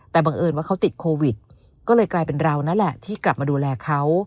แต่บังเอิญว่าเขาติดโควิดก็เลยกลายเป็นเรานั่นแหละที่กลับมาดูแลเขา